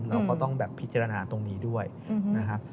เราก็ต้องแบบพิจารณาตรงนี้ด้วยนะครับ